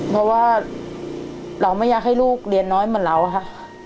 เพราะว่าเราไม่อยากให้ลูกเรียนน้อยเหมือนเราอะค่ะ